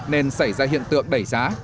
nên xảy ra hiện tượng đẩy giá